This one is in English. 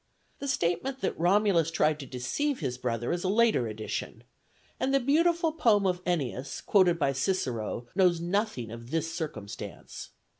The statement that Romulus tried to deceive his brother is a later addition; and the beautiful poem of Ennius, quoted by Cicero, knows nothing of this circumstance.